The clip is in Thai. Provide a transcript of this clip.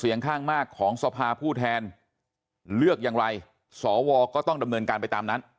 ยังไงสวก็ต้องดำเนินการไปตามนั้น